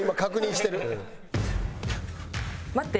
待って。